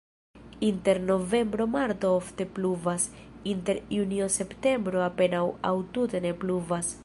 Inter novembro-marto ofte pluvas, inter junio-septembro apenaŭ aŭ tute ne pluvas.